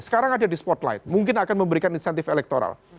sekarang ada di spotlight mungkin akan memberikan insentif elektoral